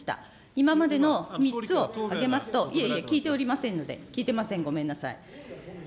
今までの３つを挙げますと、いえいえ、聞いておりませんので、聞いてません、ごめんなさい。